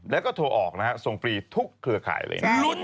แล้วก็โทรออกนะฮะส่งฟรีทุกเครือข่ายเลย